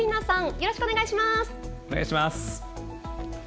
よろしくお願いします。